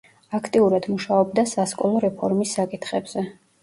აქტიურად მუშაობდა სასკოლო რეფორმის საკითხებზე.